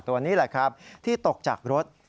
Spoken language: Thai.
ตัวนี้แหละครับที่ตกจากรถ